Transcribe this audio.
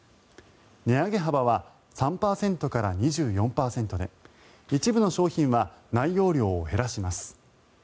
値上げ幅は３％から２４％で一部の商品は内容量を減らします。